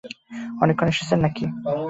অনেকক্ষণ এসেছেন না কি?